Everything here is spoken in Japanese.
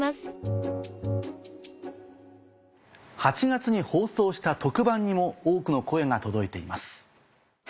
８月に放送した特番にも多くの声が届いています。